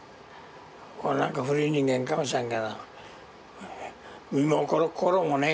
俺なんか古い人間かもしらんけど身も心もね